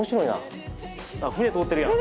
船通ってるやん。